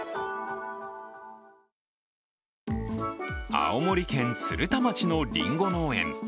青森県鶴田町のりんご農園。